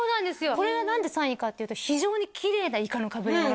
これが何で３位かっていうと非常にきれいなイカの被り物うん